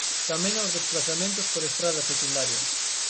Tamén aos desprazamentos por estradas secundarias.